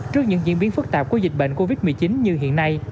trước những diễn biến phức tạp của dịch bệnh covid một mươi chín như hiện nay